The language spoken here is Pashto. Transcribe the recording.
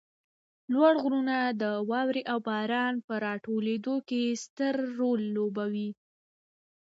لوړ غرونه د واروې او باران په راټولېدو کې ستر رول لوبوي